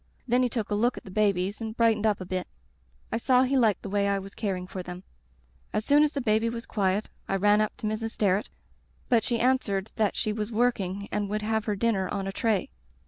Then he took a look at the babies and brightened up a bit. I saw he liked the way I was caring for them. "As soon as the baby was quiet I ran up to Mrs. Sterret, but she answered that she was working and would have her dinner on a tray.